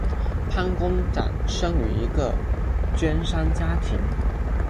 潘公展生于一个绢商家庭。